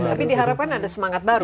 tapi diharapkan ada semangat baru